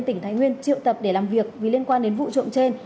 tỉnh thái nguyên triệu tập để làm việc vì liên quan đến vụ trộm trên